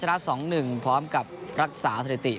ชนะสองหนึ่งพร้อมกับรักษาสถิติ